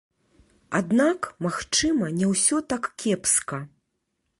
Аднак, магчыма, не ўсё так кепска.